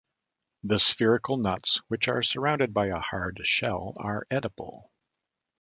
The spherical nuts, which are surrounded by a hard shell, are edible.